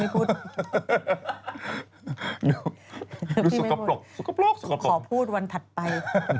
ดูสกปรกสกปรกสกปรกขอพูดวันถัดไป